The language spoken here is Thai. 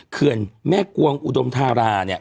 เขื่อนแม่กวงอุดมธาราเนี่ย